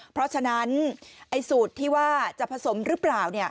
เพราะฉะนั้นสูตรที่ว่าจะผสมหรือเปล่า